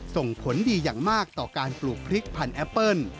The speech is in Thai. ส่งผลดีอย่างมากต่อการปลูกพริกพันธแอปเปิ้ล